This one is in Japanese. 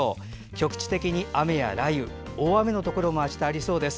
局地的に雨や雷雨大雨のところもあしたはありそうです。